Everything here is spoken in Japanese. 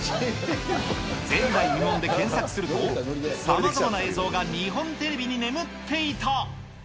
前代未聞で検索すると、さまざまな映像が日本テレビに眠っていた。